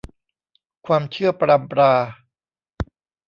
ความเชื่อปรัมปรา